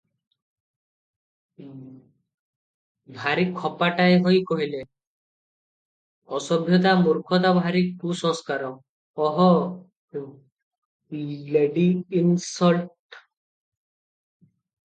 ଭାରି ଖପାଟାଏ ହୋଇ କହିଲେ, "ଅସଭ୍ୟତା, ମୂର୍ଖତା, ଭାରି କୁସଂସ୍କାର! ଓହୋ! ଲେଡ଼ିକୁ ଇନସଲଟ ।"